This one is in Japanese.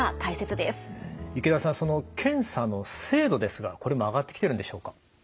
池田さん検査の精度ですがこれも上がってきてるんでしょうか？